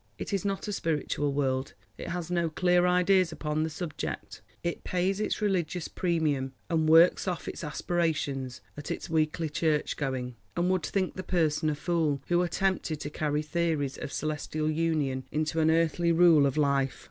It is not a spiritual world; it has no clear ideas upon the subject—it pays its religious premium and works off its aspirations at its weekly church going, and would think the person a fool who attempted to carry theories of celestial union into an earthly rule of life.